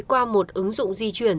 qua một ứng dụng di chuyển